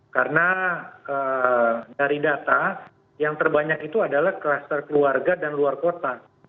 karena dari data yang terbanyak itu adalah kluster keluarga dan luar kota